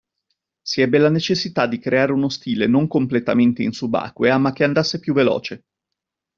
Si ebbe la necessità di creare uno stile non completamente in subacquea ma che andasse più veloce.